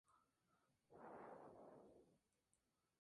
Se ubica entre Cnr.